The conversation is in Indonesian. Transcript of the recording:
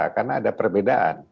karena ada perbedaan